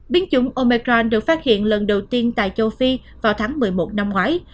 biến chủng omecran được phát hiện lần đầu tiên tại châu phi vào tháng một mươi một năm ngoái